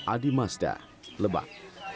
adi mazda lebak